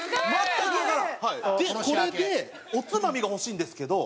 でこれでおつまみが欲しいんですけど。